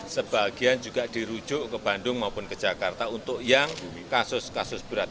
sebagian juga dirujuk ke bandung maupun ke jakarta untuk yang kasus kasus berat